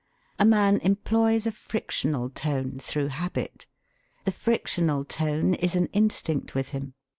A man employs a frictional tone through habit. The frictional tone is an instinct with him.